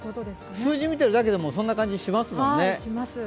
数字見てるだけでもそんな感じしますもんね。